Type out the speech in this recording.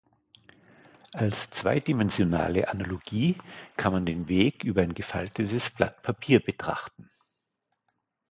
Als zweidimensionale Analogie kann man den Weg über ein gefaltetes Blatt Papier betrachten.